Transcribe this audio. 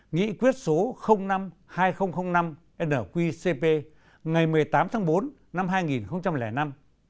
nghị quyết số năm hai nghìn năm nqcp ngày một mươi tám tháng bốn năm hai nghìn năm